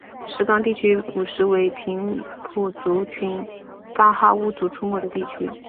石冈地区古时为平埔族群噶哈巫族出没的地区。